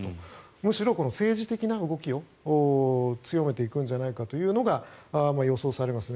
むしろ政治的な動きを強めていくんじゃないかというのが予想されますね。